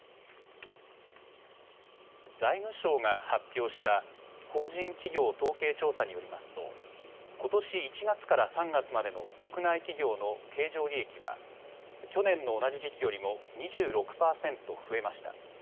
財務省が発表した法人企業統計調査によりますとことし１月から３月までの国内企業の経常利益は去年の同じ時期よりも２６％増えました。